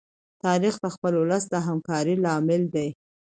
تاریخ د خپل ولس د همکارۍ لامل دی.